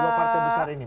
dua partai besar ini